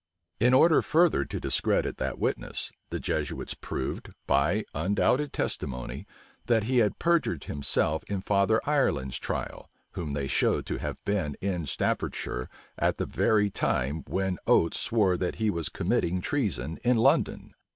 In order further to discredit that witness, the Jesuits proved, by undoubted testimony, that he had perjured himself in Father Ireland's trial, whom they showed to have been in Staffordshire at the very, time when Oates swore that he was committing treason in London.